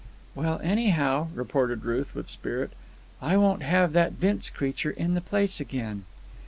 "Well, anyhow," reported Ruth with spirit, "I won't have that Vince creature in the place again."